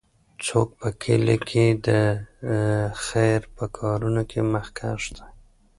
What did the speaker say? څوک په کلي کې د خیر په کارونو کې مخکښ دی؟